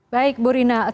baik bu rina